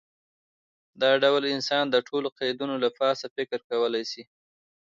دا ډول انسان د ټولو قیدونو له پاسه فکر کولی شي.